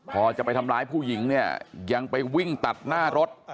พอจะไปทำร้ายผู้หญิงเนี่ยยังไปวิ่งตัดหน้ารถ